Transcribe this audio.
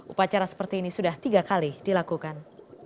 upacara seperti ini sudah tiga kali dilakukan